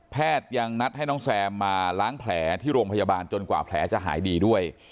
ยังนัดให้น้องแซมมาล้างแผลที่โรงพยาบาลจนกว่าแผลจะหายดีด้วย